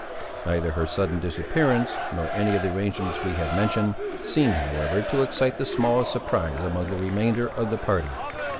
Neither her sudden disappearance, nor any of the arrangements we have mentioned, seemed, however, to excite the smallest surprise among the remainder of the party.